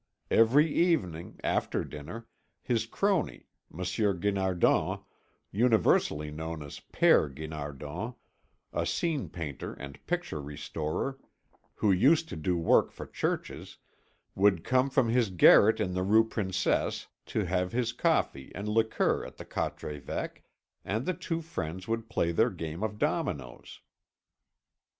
Every evening, after dinner, his crony, Monsieur Guinardon, universally known as Père Guinardon, a scene painter and picture restorer, who used to do work for churches, would come from his garret in the Rue Princesse to have his coffee and liqueur at the Quatre Évêques, and the two friends would play their game of dominoes.